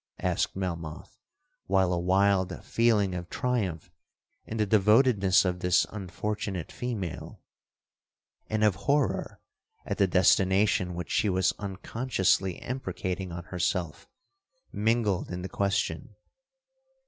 asked Melmoth, while a wild feeling of triumph in the devotedness of this unfortunate female, and of horror at the destination which she was unconsciously imprecating on herself, mingled in the question.